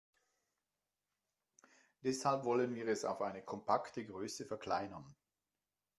Deshalb wollen wir es auf eine kompakte Größe verkleinern.